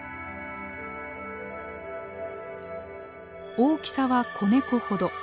大きさは子ネコほど。